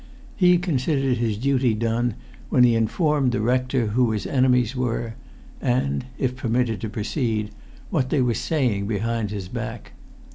He considered his duty done when he informed the rector who his enemies were, and (if permitted to proceed) what they were saying behind his back.